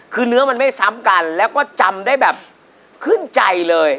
คือเนื้อมันไม่ซ้ำกันแล้วก็จำได้แบบขึ้นใจเลย